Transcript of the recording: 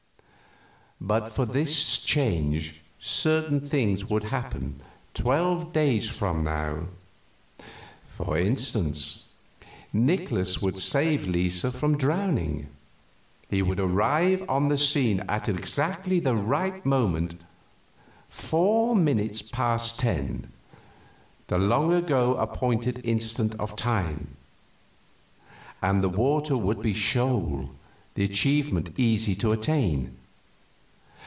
"But for this change certain things would happen twelve days from now. For instance, Nikolaus would save Lisa from drowning. He would arrive on the scene at exactly the right moment four minutes past ten, the long ago appointed instant of time and the water would be shoal, the achievement easy and certain.